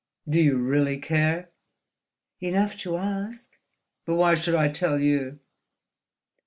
"Do you really care?" "Enough to ask." "But why should I tell you?"